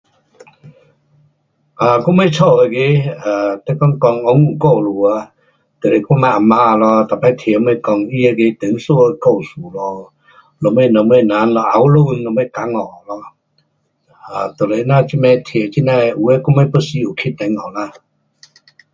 啊，我们家那个 um 你讲讲温故故事啊，就是我人阿妈咯，每次提什么讲她那个唐山的故事咯。什么什么人后孙干和咯，就是我们提这呐的有的不时有去中国啦。